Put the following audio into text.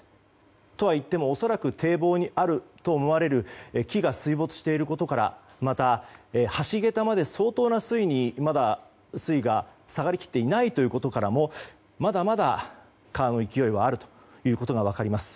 とはいっても恐らく堤防にあると思われる木が水没していることからまた、橋げたまで水位がまだ下がりきっていないことからもまだまだ川の勢いはあることが分かります。